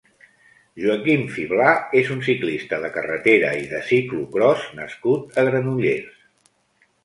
Joaquim Fiblà és un ciclista de carretera i de ciclocròs nascut a Granollers.